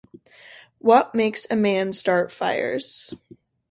What Makes a Man Start Fires?